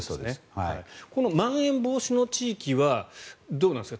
このまん延防止の地域はどうなんですか。